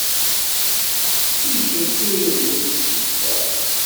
Kemcent turin-is si ddexxan.